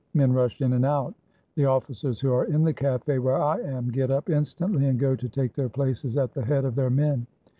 Men rush in and out. The officers who are in the cafe where I am get up instantly, and go to take their places at the head of their men.